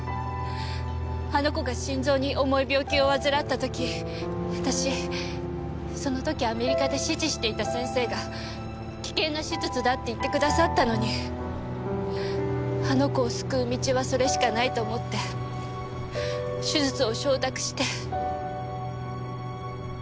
あの子が心臓に重い病気を患った時私その時アメリカで師事していた先生が危険な手術だって言ってくださったのにあの子を救う道はそれしかないと思って手術を承諾して。